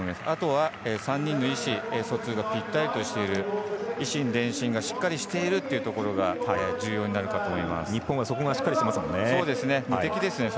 あとは、３人の意思疎通がぴったりとしている、以心伝心がしっかりしているというところが重要になるかと思います。